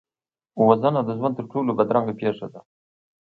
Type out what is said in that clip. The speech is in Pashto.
وژنه د ژوند تر ټولو بدرنګه پېښه ده